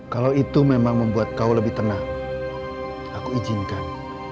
kalau itu memang membuat kau lebih tenang aku izinkan